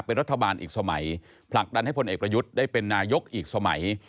เป็นรัฐบาลอีกสมัยผลักดันให้พลเอกประยุทธ์ได้เป็นนายกอีกสมัย